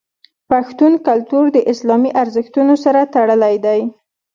پښتون کلتور د اسلامي ارزښتونو سره تړلی دی.